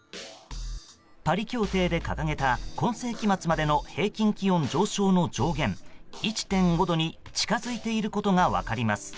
パリ協定で掲げた今世紀末までの平均気温上昇の上限１．５度に近づいていることが分かります。